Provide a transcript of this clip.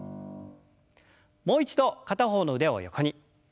もう一度片方の腕を横に。